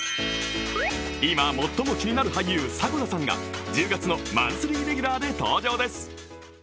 今、最も気になる俳優、迫田さんが１０月のマンスリーレギュラーで登場です。